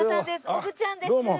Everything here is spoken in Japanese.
おぐちゃんです。